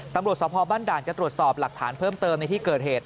ตำรวจสภบ้านด่านจะตรวจสอบหลักฐานเพิ่มเติมในที่เกิดเหตุ